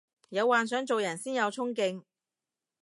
有幻想做人先有沖勁